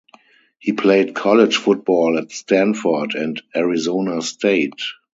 He played college football at Stanford and Arizona State.